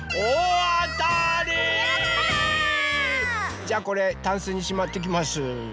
じゃあこれタンスにしまってきます。